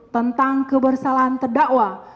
tentang kebersalahan terdakwa